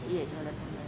iya jualan online